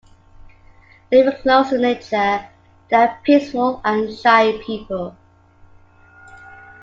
Living close to nature, they are a peaceful and shy people.